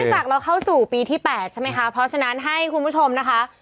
จากเราเข้าสู่ปีที่๘ใช่ไหมคะเพราะฉะนั้นให้คุณผู้ชมนะคะ